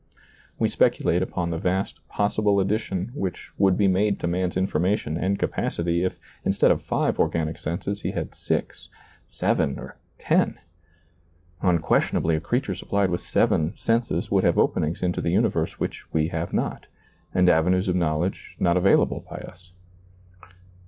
We speculate upon the vast possible addition which would be made to man's information and capacity if instead of five organic senses he had six, seven, or ten. Un questionably a creature supplied with seven senses would have openings into the universe which we have not, and avenues of knowledge not available by us.